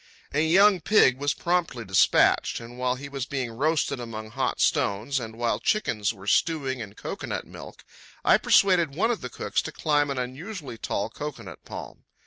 A young pig was promptly despatched, and while he was being roasted among hot stones, and while chickens were stewing in cocoanut milk, I persuaded one of the cooks to climb an unusually tall cocoanut palm.